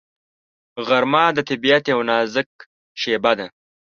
غرمه د طبیعت یو نازک شېبه ده